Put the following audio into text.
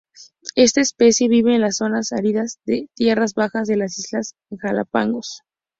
Esta especie vive en la zonas áridas de tierras bajas de las Islas Galápagos.